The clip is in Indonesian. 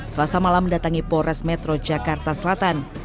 selasa malam datangi pores metro jakarta selatan